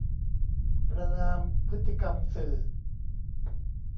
ประนามพฤติกรรมสื่อ